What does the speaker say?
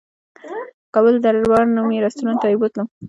کابل دربار نومي رستورانت ته یې بوتلم.